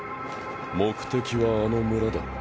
目的はあの村だ。